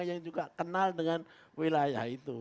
yang juga kenal dengan wilayah itu